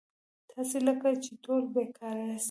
تاسي لکه چې ټول بېکاره یاست.